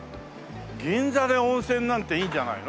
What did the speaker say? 銀座で温泉なんていいんじゃないの？